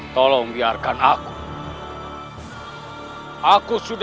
kalu memberikan diri terhadap aku saja